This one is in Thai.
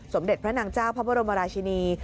สมเด็จพระนางเจ้าพระบรมราชินี